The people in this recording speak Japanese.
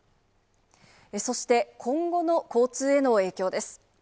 そして今後の交通への影響です。